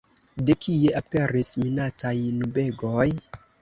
De kie aperis minacaj nubegoj?